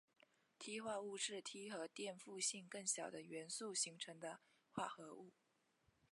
锑化物是锑和电负性更小的元素形成的化合物。